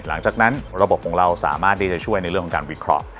หลังจากนั้นระบบของเราสามารถได้ช่วยในเรื่องของการวิเคราะห์